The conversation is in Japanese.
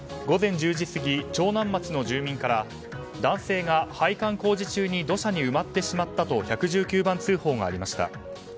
午前１０時過ぎ長南町の住民から男性が配管工事中に土砂に埋まってしまったと１１９番通報がありました。